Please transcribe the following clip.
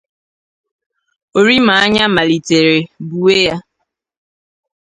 Orima-anya malitere buwe ya